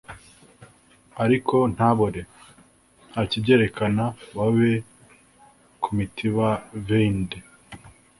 ariko nta bore, nta kibyerekana babe ku mitiba veined